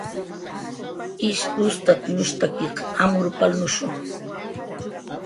Ish ustatnushstakiq amurw palnushu